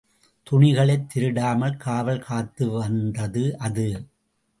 துணிகளைத் திருடாமல் காவல் காத்துவந்தது அது.